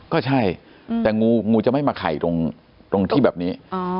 ก็ใช่แต่งูจะไม่มาไข่ตรงที่แบบนี้